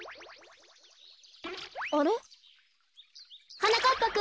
あれ？はなかっぱくん！